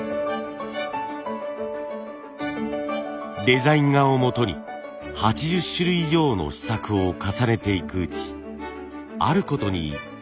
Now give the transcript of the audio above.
デザイン画をもとに８０種類以上の試作を重ねていくうちあることに気付きます。